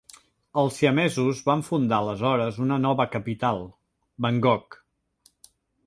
Els siamesos van fundar aleshores una nova capital, Bangkok.